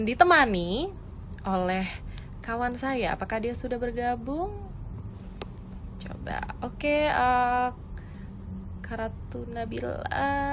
ditemani oleh kawan saya apakah dia sudah bergabung coba oke karatu nabila